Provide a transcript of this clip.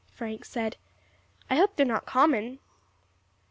Frank said; "I hope they are not common."